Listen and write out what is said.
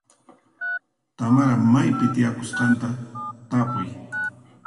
Tamara maypi tarikusqanta tapuy.